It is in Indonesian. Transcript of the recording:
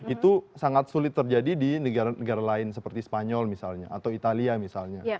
itu sangat sulit terjadi di negara negara lain seperti spanyol misalnya atau italia misalnya